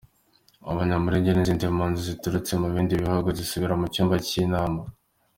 Abanyamulenge n’izindi mpunzi zaturutse mu bindi bihugu zisubira mu cyumba cy’inama.